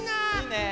ねえ！